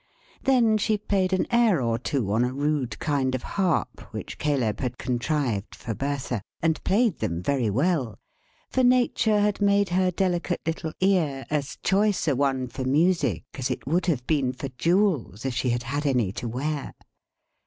Then, she played an air or two on a rude kind of harp, which Caleb had contrived for Bertha; and played them very well; for Nature had made her delicate little ear as choice a one for music as it would have been for jewels, if she had had any to wear.